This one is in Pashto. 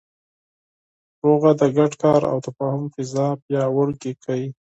سوله د ګډ کار او تفاهم فضا پیاوړې کوي.